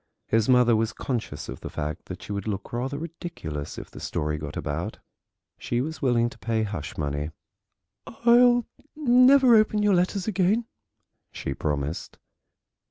His mother was conscious of the fact that she would look rather ridiculous if the story got about. She was willing to pay hush money. "I'll never open your letters again," she promised.